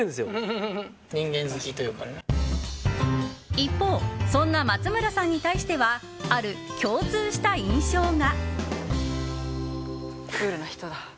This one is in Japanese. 一方そんな松村さんに対してはある共通した印象が。